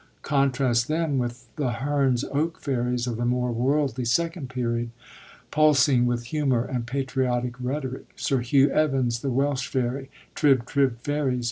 Contrast them with the Heme's Oak fairies of the more worldly Second Period pulsing with humor and patriotic rhetoric; Sir Hugh Evans, the Welsh Fairy: 'Trib, trib, fairies